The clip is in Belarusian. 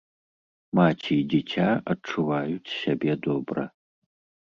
Маці і дзіця адчуваюць сябе добра.